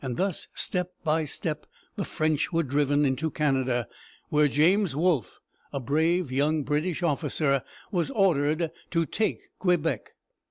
Thus, step by step, the French were driven into Canada, where James Wolfe, a brave young British officer, was ordered to take Quebec.